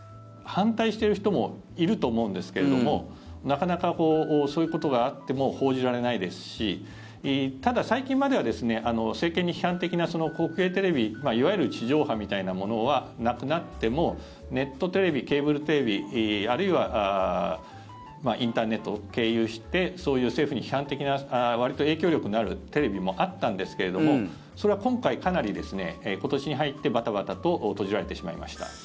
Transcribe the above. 反対している人もいると思うんですけれどもなかなかそういうことがあっても報じられないですしただ、最近までは政権に批判的な国営テレビいわゆる地上波みたいなものはなくなってもネットテレビ、ケーブルテレビあるいはインターネットを経由してそういう政府に批判的なわりと影響力のあるテレビもあったんですけれどもそれは今回かなり、今年に入ってバタバタと閉じられてしまいました。